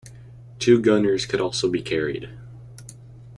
Two gunners could also be carried.